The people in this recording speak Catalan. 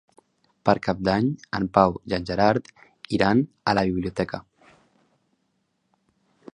Per Cap d'Any en Pau i en Gerard iran a la biblioteca.